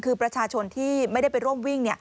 คือประชาชนที่ไม่ได้ไปร่วมวิ่ง